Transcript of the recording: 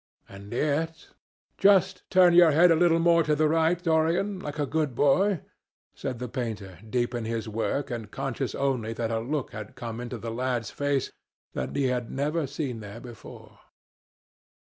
And yet—" "Just turn your head a little more to the right, Dorian, like a good boy," said the painter, deep in his work and conscious only that a look had come into the lad's face that he had never seen there before.